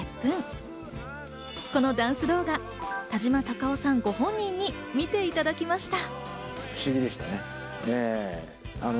このダンス動画、田島貴男さんご本人に見ていただきました。